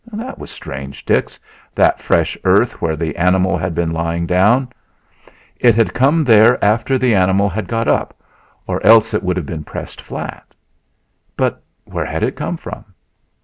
That was strange, Dix, that fresh earth where the animal had been lying down! It had come there after the animal had got up, or else it would have been pressed flat. But where had it come from?